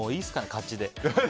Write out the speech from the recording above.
勝ちで。